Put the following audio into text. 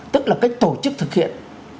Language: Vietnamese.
tức là cách tổ chức thực hiện